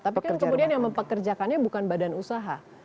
tapi kan kemudian yang mempekerjakannya bukan badan usaha